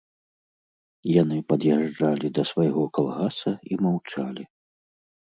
Яны пад'язджалі да свайго калгаса і маўчалі.